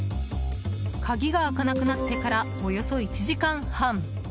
鍵が開かなくなってからおよそ１時間半。